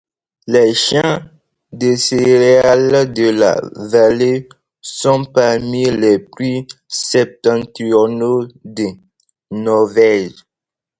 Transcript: Les champs de céréales de la vallée sont parmi les plus septentrionaux de Norvège.